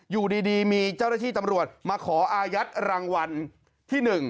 อยู่ดีมีเจ้าหน้าที่ตำรวจมาขออายัดรางวัลที่๑